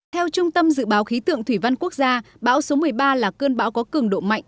theo trung tâm dự báo khí tượng thủy văn quốc gia bão số một mươi ba là cơn bão có cường độ mạnh